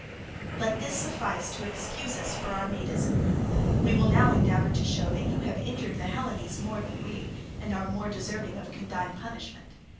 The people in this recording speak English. "Let this suffice to excuse us for our Medism. We will now endeavour to show that you have injured the Hellenes more than we, and are more deserving of condign punishment.